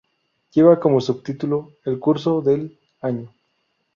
Lleva como subtítulo "El curso del" año.